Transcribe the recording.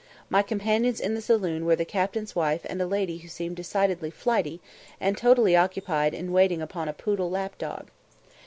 My companions in the saloon were the captain's wife and a lady who seemed decidedly flighty, and totally occupied in waiting upon a poodle lapdog.